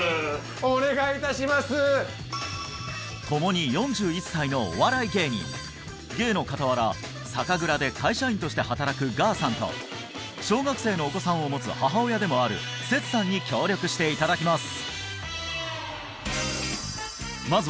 お願いいたしますともに４１歳のお笑い芸人芸の傍ら酒蔵で会社員として働くがさんと小学生のお子さんを持つ母親でもある摂さんに協力していただきます